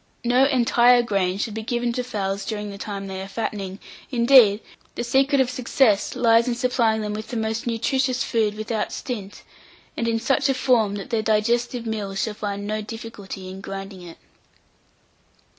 No entire grain should be given to fowls during the time they are fattening; indeed, the secret of success lies in supplying them with the most nutritious food without stint, and in such a form that their digestive mills shall find no difficulty in grinding it.